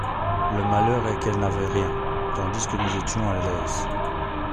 Le malheur est qu'elle n'avait rien, tandis que nous étions à l'aise.